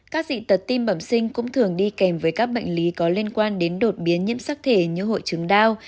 các dị tật tim bẩm sinh cũng thường đi kèm với các bệnh lý có liên quan đến đột biến nhiễm sắc thể như hội chứng đau